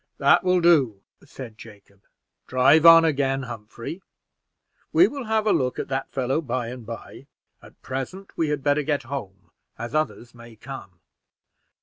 "That will do," said Jacob; "drive on again, Humphrey; we will have a look at that fellow by and by. At present we had better get home, as others may come.